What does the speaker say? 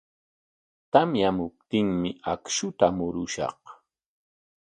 Tamyamuptinmi akshuta murushaq.